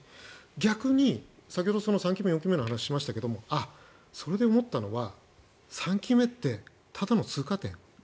逆に先ほど３期目、４期目の話をしましたがそれで思ったのは３期目ってただの通過点。